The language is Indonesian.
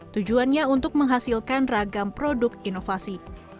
tujuannya untuk menghasilkan ragam produk inovasi